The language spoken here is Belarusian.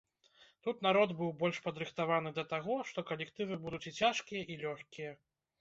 Тут народ быў больш падрыхтаваны да таго, што калектывы будуць і цяжкія, і лёгкія.